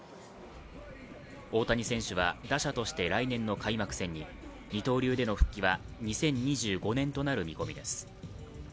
大谷選手は、打者として来年の開幕戦に二刀流での復帰は２０２５年となる見込みです。